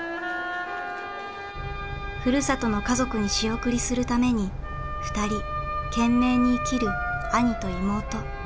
ふるさとの家族に仕送りするために２人懸命に生きる兄と妹。